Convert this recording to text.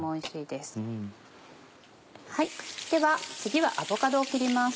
では次はアボカドを切ります。